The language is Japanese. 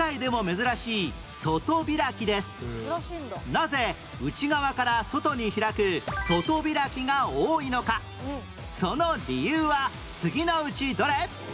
なぜ内側から外に開く外開きが多いのかその理由は次のうちどれ？